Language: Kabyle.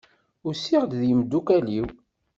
Usiɣ-d d yimdukal-iw.